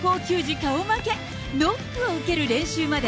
顔負け、ノックを受ける練習まで。